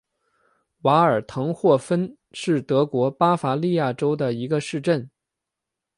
瓦尔滕霍芬是德国巴伐利亚州的一个市镇。